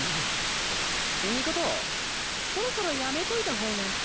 尊そろそろやめといたほうが。